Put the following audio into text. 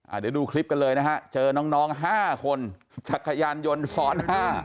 เดี๋ยวดูคลิปกันเลยนะฮะเจอน้องน้องห้าคนจักรยานยนต์ซ้อนห้า